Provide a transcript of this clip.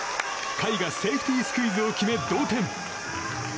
甲斐がセーフティースクイズを決め同点。